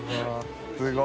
すごい。